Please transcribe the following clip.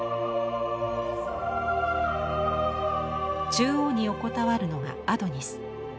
中央に横たわるのがアドニス。